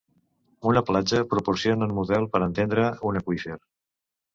Una platja proporciona un model per entendre un aqüífer.